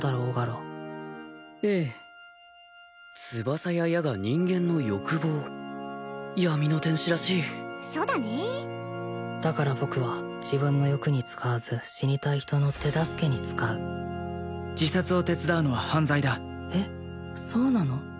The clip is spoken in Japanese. オガロええ翼や矢が人間の欲望闇の天使らしいそうだねだから僕は自分の欲に使わず死にたい人の手助けに使う自殺を手伝うのは犯罪だえっそうなの？